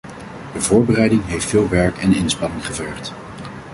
De voorbereiding heeft veel werk en inspanning gevergd.